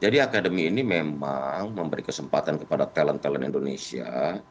jadi academy ini memang memberi kesempatan kepada talent talent indonesia